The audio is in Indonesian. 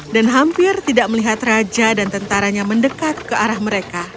dan hampir tidak melihat raja dan tentaranya mendekat ke arah mereka